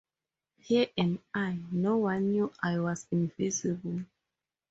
Here am I... No one knew I was invisible!